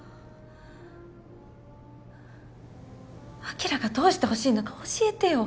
アキラがどうしてほしいのか教えてよ。